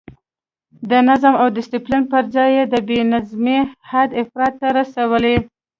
د نظم او ډسپلین پر ځای یې د بې نظمۍ حد افراط ته رسولی.